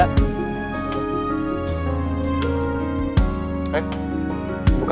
eh buka gerbangnya